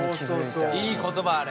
いい言葉あれ。